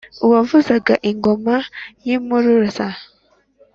Uwavuzaga ingoma y'Impuruza